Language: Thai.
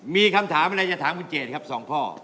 มีคำถามอะไรจะถามคุณเจดครับ๒ข้อ